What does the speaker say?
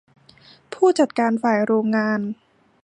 ผู้จัดการฝ่ายโรงงาน